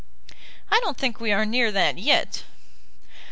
"I don't think we are near that yet."